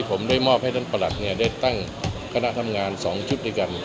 ผมได้มอบให้ท่านประหลัดได้ตั้งคณะทำงาน๒ชุดด้วยกัน